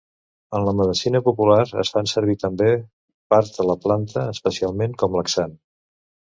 En la medicina popular es fan servir també parts de la planta, especialment com laxant.